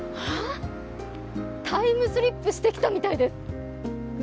タイムスリップをしてきたみたいです。